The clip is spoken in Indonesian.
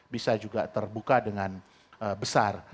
bisa juga terbuka dengan besar